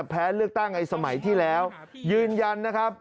แพ้เลือกตั้งในสมัยที่แล้วยืนยันนะครับ